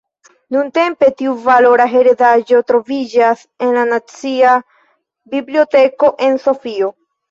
Nuntempe tiu valora heredaĵo troviĝas en la Nacia biblioteko en Sofio.